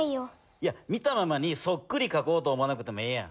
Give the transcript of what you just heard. いや見たままにそっくりかこうと思わなくてもええやん。